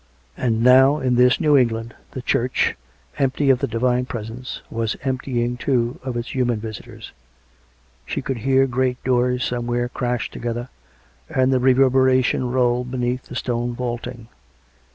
And now, in this new England, the church, empty of the Divine Presence, was emptying, too, of its human visitors. She could hear great doors somewhere crash together, and the reverberation roll beneath the stone vaulting.